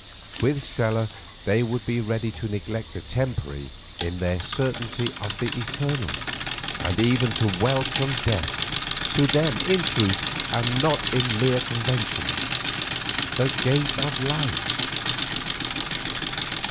With Stella they would be ready to neglect the temporary in their certainty of the eternal, and even to welcome death, to them in truth, and not in mere convention, the Gate of Life.